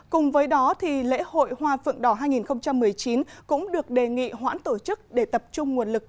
cùng với đó lễ hội hoa phượng đỏ hai nghìn một mươi chín cũng được đề nghị hoãn tổ chức để tập trung nguồn lực